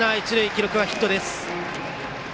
記録はヒットです。